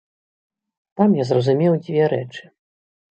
Там я зразумеў дзве рэчы.